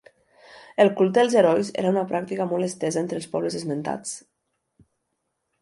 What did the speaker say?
El culte als herois era una pràctica molt estesa entre els pobles esmentats.